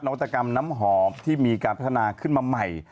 วัตกรรมน้ำหอมที่มีการพัฒนาขึ้นมาใหม่